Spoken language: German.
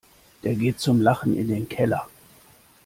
Der geht zum Lachen in den Keller.